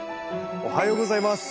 おはようございます。